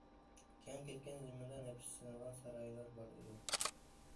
كەڭ كەتكەن زېمىندا نەپىس سېلىنغان سارايلار بار ئىدى.